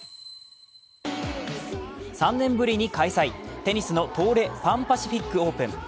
３年ぶりに開催、テニスの東レ・パン・パシフィックオープン。